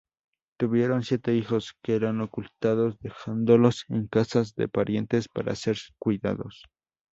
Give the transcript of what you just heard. Tuvieron siete hijos, que eran ocultados dejándolos en casas de parientes, para ser cuidados.